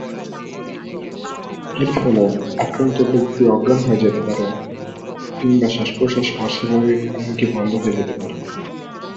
এর ফলে আক্রান্ত ব্যক্তি অজ্ঞান হয়ে যেতে পারে কিংবা শ্বাস-প্রশ্বাস অস্বাভাবিক এমনকি বন্ধ হয়ে যাতে পারে।